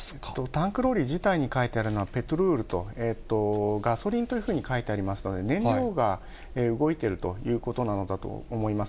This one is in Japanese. タンクローリー自体に書いてあるのは、ペトルールと、ガソリンというふうに書いてありますので、燃料が動いてるということなのだと思います。